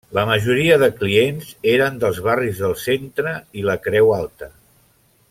La majoria de clients eren dels barris del Centre i la Creu Alta.